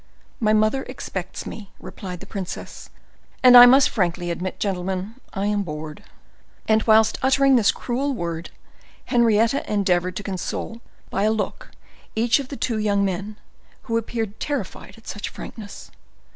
"My mother expects me," replied the princess; "and I must frankly admit, gentlemen, I am bored." And whilst uttering this cruel word, Henrietta endeavored to console by a look each of the two young men, who appeared terrified at such frankness.